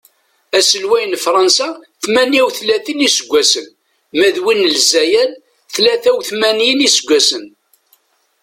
Aselway n Fransa tmanya utlatin iseggasen ma d win n lezzayer tlata utmanyin iseggasen.